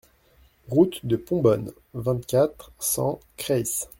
Route de Pombonne, vingt-quatre, cent Creysse